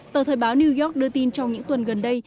tờ thời báo new york đưa tin trong những tuần gần đây